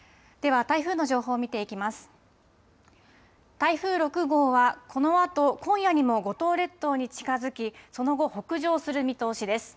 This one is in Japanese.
台風６号はこのあと今夜にも五島列島に近づき、その後、北上する見通しです。